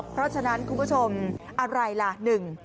เพราะฉะนั้นคุณผู้ชมอะไรล่ะหนึ่ง